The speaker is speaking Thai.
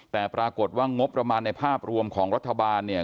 แต่ปรากฏว่างบประมาณในภาพรวมของรัฐบาลเนี่ย